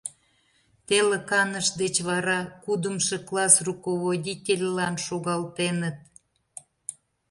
Теле каныш деч вара кудымшо класс руководительлан шогалтеныт.